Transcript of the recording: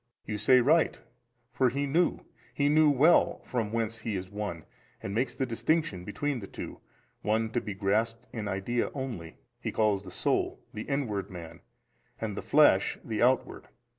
A. You said right: for he knew, he knew well from whence he is one, and makes the distinction [between the two] one to be grasped in idea only: he calls the soul, the inward man, and the flesh, the outward.